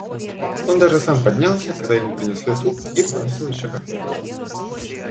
Он даже сам поднялся, когда ему принесли суп, и попросил еще котлету.